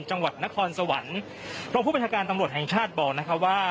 จังหวัดนครสวรรค์รองผู้บัญชาการตำรวจแห่งชาติบอกนะคะว่า